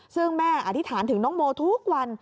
ซึ่งแม่อธิษฐานถึงน้องโมทุกวัน